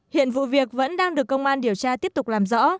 hiện vụ việc vẫn đang được công an điều tra tiếp tục làm rõ